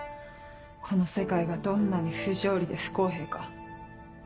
この世界がどんなに不条理で不公平か。